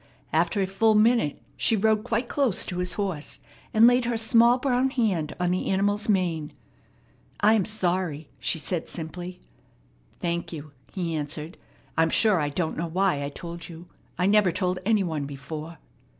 After a full minute she rode quite close to his horse, and laid her small brown hand on the animal's mane. "I am sorry," she said simply. "Thank you," he answered. "I'm sure I don't know why I told you. I never told any one before."